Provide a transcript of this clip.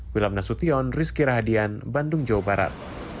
wilam nasution rizky rahadian bandung jawa barat